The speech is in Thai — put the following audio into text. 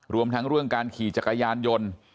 รวมทั้งเรื่องการขี่จักรยานยนต์